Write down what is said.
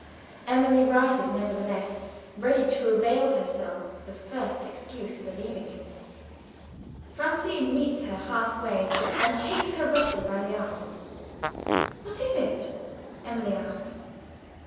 Emily rises nevertheless ready to avail herself of the first excuse for leaving him. Francine meets her half way, and takes her roughly by the arm. "What is it?" Emily asks.